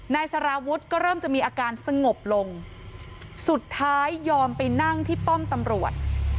นายสารวุฒิก็เริ่มจะมีอาการสงบลงสุดท้ายยอมไปนั่งที่ป้อมตำรวจ